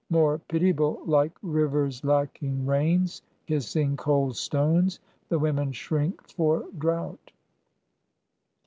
More pitiable, like rivers lacking rains, Kissing cold stones, the women shrink for drought.